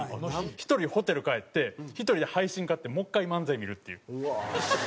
１人ホテル帰って１人で配信買ってもう一回漫才見るっていう。